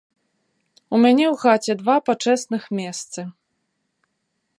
У мяне ў хаце два пачэсных месцы.